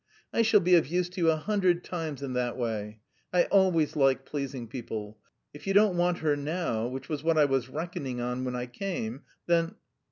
I shall be of use to you a hundred times in that way. I always like pleasing people. If you don't want her now, which was what I was reckoning on when I came, then..."